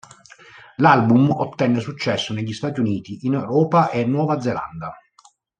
L'album ottenne successo negli Stati Uniti, in Europa e Nuova Zelanda.